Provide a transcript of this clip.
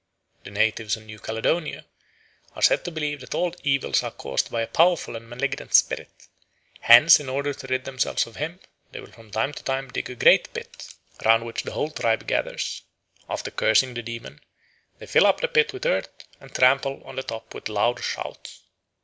The natives of New Caledonia are said to believe that all evils are caused by a powerful and malignant spirit; hence in order to rid themselves of him they will from time to time dig a great pit, round which the whole tribe gathers. After cursing the demon, they fill up the pit with earth, and trample on the top with loud shouts.